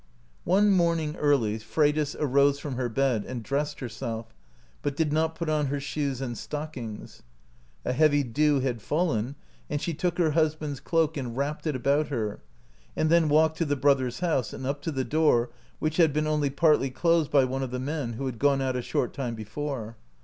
One morning early, Pre}'dis arose from her bed, and dressed herself, but did not put on her shoes and stockings. A heavy dew had fallen, and she took her husband*s cloak, and wrapped it about her, and then walked to the brothers' house, and up to the door, which had been only partly closed by one of the men, who had gone out a short time before.